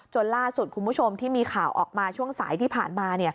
ล่าสุดคุณผู้ชมที่มีข่าวออกมาช่วงสายที่ผ่านมา